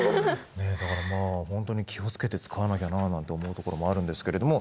だからまあ本当に気を付けて使わなきゃななんて思うところもあるんですけれども。